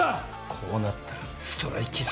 こうなったらストライキだ。